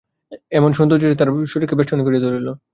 একটি সৌন্দর্যশ্রী তাহার জীবনকে বেষ্টন করিয়া ধরিল।